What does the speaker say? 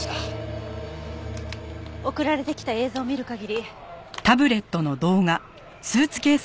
送られてきた映像を見る限り。